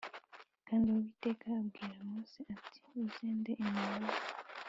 Kandi Uwiteka abwira Mose ati Uzende imibavu